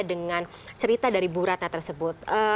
dengan cerita dari buruatnya tersebut